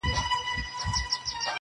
بدراتلونکی دې مستانه حال کي کړې بدل~